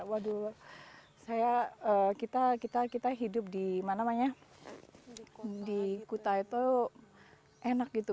waduh kita hidup di kota itu enak gitu